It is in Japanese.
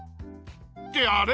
ってあれ？